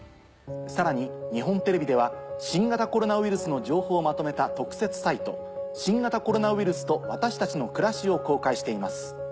さらに日本テレビでは新型コロナウイルスの情報をまとめた。を公開しています。